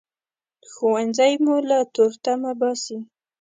ښوونځی مو له تورتمه باسي